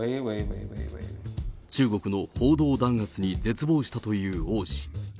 中国の報道弾圧に絶望したという王氏。